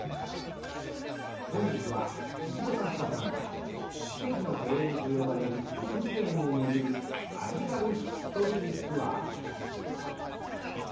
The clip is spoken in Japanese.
本日はシシド・カフカさんが奇跡の庭園と呼ばれる『六義園』をめぐるマジカルヒストリーツアー。